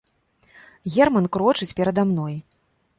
Герман крочыць перада мной.